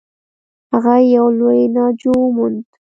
هغه یو لوی ناجو و موند.